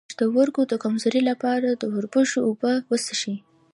د پښتورګو د کمزوری لپاره د وربشو اوبه وڅښئ